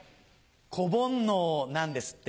子煩悩なんですって？